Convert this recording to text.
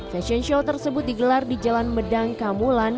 fashion show tersebut digelar di jalan medang kamulan